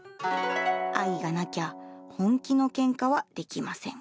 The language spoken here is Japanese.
愛がなきゃ本気のけんかはできません。